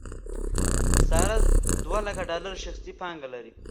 ساره دولکه ډالر شخصي پانګه لري.